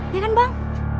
ya kan bang